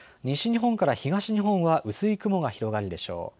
西日本から東日本は薄い雲が広がるでしょう。